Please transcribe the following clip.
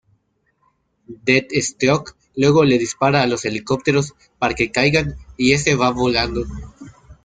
Deathstroke luego les dispara a los helicópteros para que caigan, y este va volando.